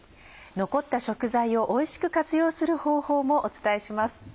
残った食材をおいしく活用する方法もお伝えします。